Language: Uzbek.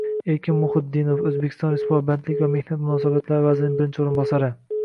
Erkin Muhiddinov, O'zbekiston Respublikasi Bandlik va mehnat munosabatlari vazirining birinchi o'rinbosari: